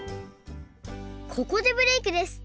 ここでブレイクです！